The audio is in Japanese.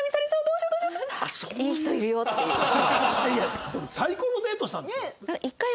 いやでも最高のデートしたんですよ。